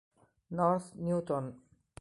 North Newton